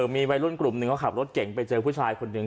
มีวัยรุ่นกลุ่มหนึ่งเขาขับรถเก่งไปเจอผู้ชายคนหนึ่ง